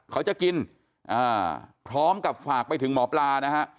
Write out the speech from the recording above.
เขาจะกินพร้อมกับฝากไปถึงหมอปลานะฮะ